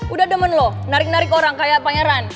udah demen lo narik narik orang kayak apaan ya ran